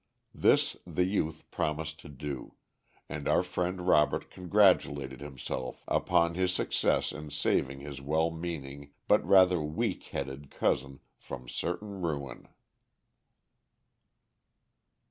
This the youth promised to do, and our friend Robert congratulated himself upon his success in saving his well meaning but rather weak headed cousin from certain ruin.